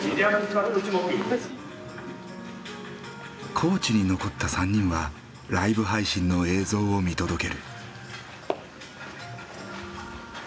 高知に残った３人はライブ配信の映像を見届ける。